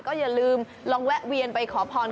อย่าลืมลองแวะเวียนไปขอพร